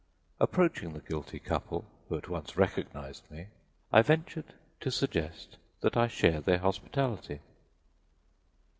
Approaching the guilty couple, who at once recognized me, I ventured to suggest that I share their hospitality.